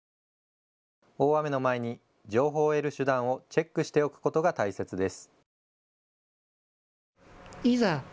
大雨の前に情報を得る手段をチェックしておくことが大切です。